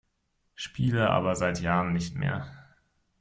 Spiele aber seit Jahren nicht mehr.